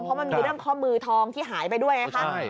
เพราะมันมีเรื่องข้อมือทองที่หายไปด้วยไงคะ